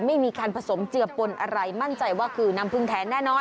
ไม่มีการผสมเจือปนอะไรมั่นใจว่าคือน้ำพึ่งแทนแน่นอน